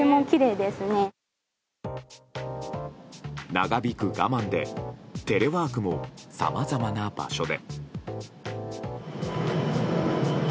長引く我慢でテレワークもさまざまな場所で。